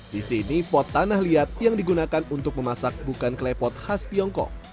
di sini pot tanah liat yang digunakan untuk memasak bukan klepot khas tiongkok